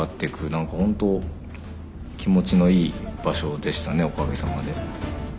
何か本当気持ちのいい場所でしたねおかげさまで。